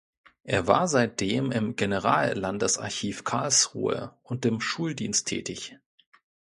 Er war seitdem im Generallandesarchiv Karlsruhe und im Schuldienst tätig.